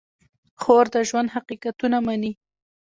خور د ژوند حقیقتونه مني.